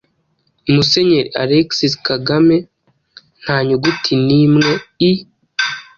Musenyeri Alexis Kagame nta n’inyuguti n’imwe i